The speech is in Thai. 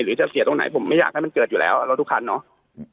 หรือจะเสียตรงไหนผมไม่อยากให้มันเกิดอยู่แล้วรถทุกคันเนาะ